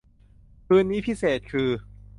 คืนนี้พิเศษคือ